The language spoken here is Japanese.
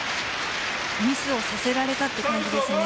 ミスをさせられたという感じですね。